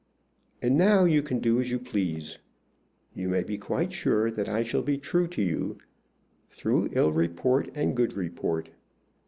"And now you can do as you please. You may be quite sure that I shall be true to you, through ill report and good report.